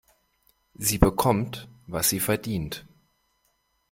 Sie bekommt, was sie verdient.